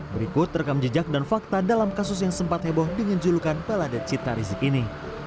berikut rekam jejak dan fakta dalam kasus yang sempat heboh dengan julukan baladat cita rizik ini